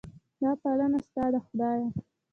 دا پالنه ستا ده خدایه.